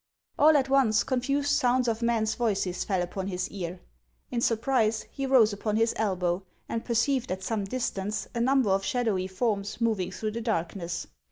All at once confused sounds of men's voices fell upon his ear. In surprise, he rose upon his elbow, and per ceived at some distance a number of shadowy forms moving through the darkness.